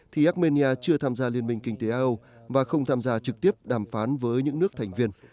thì armenia chưa tham gia liên minh kinh tế a âu và không tham gia trực tiếp đàm phán với những nước thành viên